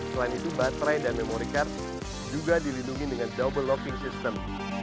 selain itu baterai dan memori card juga dilindungi dengan double loving system